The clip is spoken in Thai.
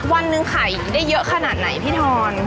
วันหนึ่งขายได้เยอะขนาดไหนพี่ทอน